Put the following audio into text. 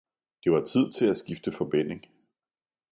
Det var tid til at skifte forbinding